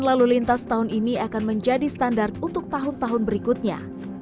lalu lintas tahun ini akan menjadi standar untuk tahun tahun berikutnya